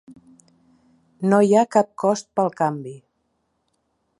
No hi ha cap cost pel canvi.